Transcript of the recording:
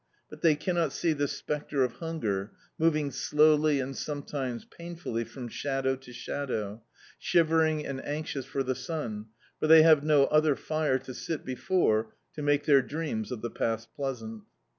But they cannot see this spectre of Hunger, moving slowly, and sometimes painfully, from shadow to shadow, shivering and anxious for the sun, for they have no other fire to sit before, to make their dreams of the past pleasant.